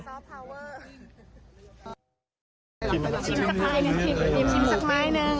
ชิมซักไม้หนึ่ง